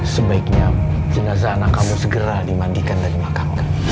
sebaiknya jenazah anak kamu segera dimandikan dan dimakamkan